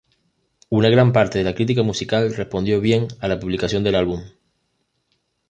Una gran parte de la crítica musical respondió bien a la publicación del álbum.